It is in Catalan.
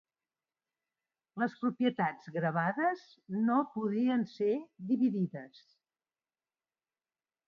Les propietats gravades no podien ser dividides.